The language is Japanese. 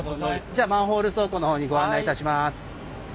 じゃあマンホール倉庫の方にご案内いたします。